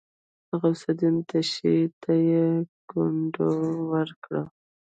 د غوث الدين تشي ته يې ګونډه ورکړه.